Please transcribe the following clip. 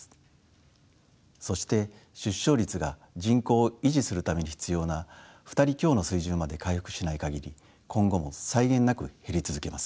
そして出生率が人口を維持するために必要な２人強の水準まで回復しない限り今後も際限なく減り続けます。